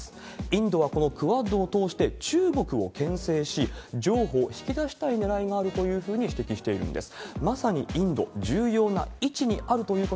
インドはこのクアッドを通して、中国をけん制し、譲歩を引き出したいねらいがあるというふうに指摘しているんです。